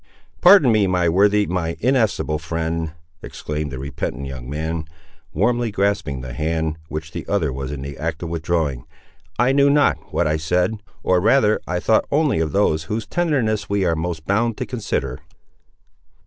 "Pardon me, my worthy, my inestimable friend," exclaimed the repentant young man, warmly grasping the hand, which the other was in the act of withdrawing; "I knew not what I said—or rather I thought only of those whose tenderness we are most bound to consider."